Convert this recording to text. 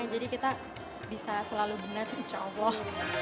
jadi kita bisa selalu benar insya allah